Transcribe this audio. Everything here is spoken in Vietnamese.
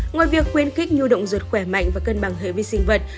ngoài việc khuyến khích nhu động ruột khỏe mạnh và cân bằng hệ vi sinh vật